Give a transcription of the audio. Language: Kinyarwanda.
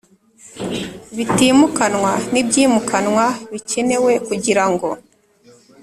bitimukanwa n ibyimukanwa bikenewe kugirango